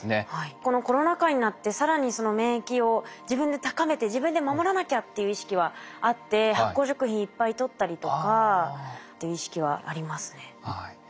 このコロナ禍になって更にその免疫を自分で高めて自分で守らなきゃっていう意識はあって発酵食品いっぱいとったりとかっていう意識はありますね。